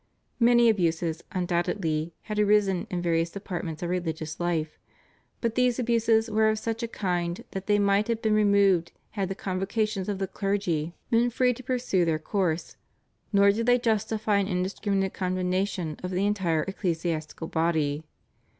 Many abuses, undoubtedly, had arisen in various departments of religious life, but these abuses were of such a kind that they might have been removed had the Convocations of the clergy been free to pursue their course, nor do they justify an indiscriminate condemnation of the entire ecclesiastical body.